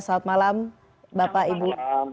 salam malam bapak ibu